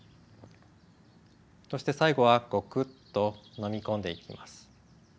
そして最後はゴクッと飲み込んでいきます。